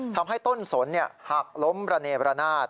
ทำให้ต้นสนเนี่ยหักล้มระเนบระนาด